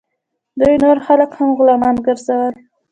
دوی نور خلک هم غلامان ګرځول.